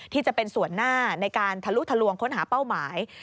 ที่จะเป็นส่วนหน้าในการทะลุทะลวงค้นหาเป้าหมาย